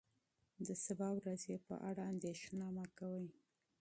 د سبا ورځې په اړه تشویش مه کوه.